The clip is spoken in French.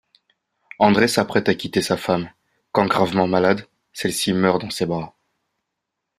André s'apprête à quitter sa femme, quand gravement malade, celle-ci meurt dans ses bras.